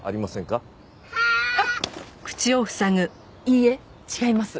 いいえ違います。